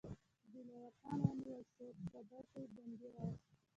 دلاور خان ونیول شو او کابل ته یې بندي راووست.